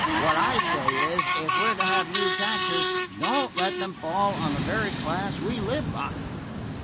What I say is, if we're to have new taxes, don't let them fall on the very class we live by!"